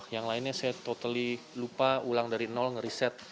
yang lainnya saya totally lupa ulang dari nol ngeriset